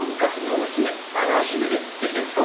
おしめでできてんですか？